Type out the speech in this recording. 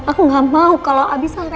aku gak mau kalau habis sampai